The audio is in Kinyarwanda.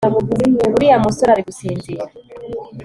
uriya musore ari gusinzira